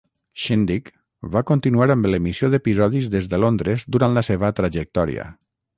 "Shindig" va continuar amb l'emissió d'episodis des de Londres durant la seva trajectòria.